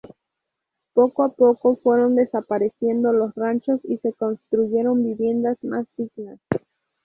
Poco a poco, fueron desapareciendo los ranchos y se construyeron viviendas más dignas.